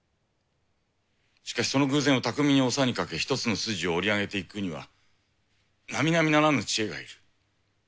しかしその偶然を巧みに筬にかけひとつの筋を織り上げていくには並々ならぬ知恵がいる。